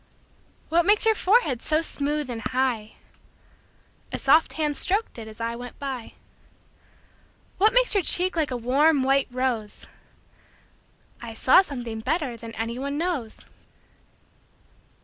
What makes your forehead so smooth and high?A soft hand strok'd it as I went by. What makes your cheek like a warm white rose?I saw something better than any one knows.